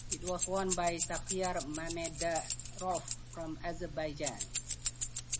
It was won by Shakhriyar Mamedyarov from Azerbaijan.